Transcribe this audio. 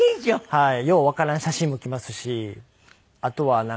はい。